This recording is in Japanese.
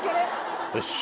よし。